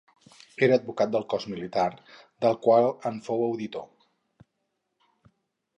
Era advocat del cos militar, del qual en fou auditor.